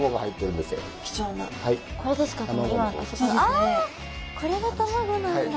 ああこれが卵なんだ。